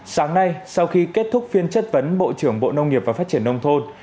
sáng nay sau khi kết thúc phiên chất vấn bộ trưởng bộ nông nghiệp và phát triển nông thôn